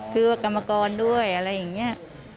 คือว่ากรรมกรด้วยอะไรอย่างนี้